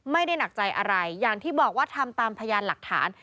ไม่ได้หนักใจอะไรอย่างที่บอกว่าทำตามพยานหลักฐาน